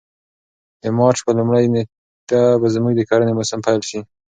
د مارچ په لومړۍ نېټه به زموږ د کرنې موسم پیل شي.